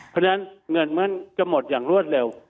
เพราะฉะนั้นเงินมันจะหมดอย่างรวดเร็ว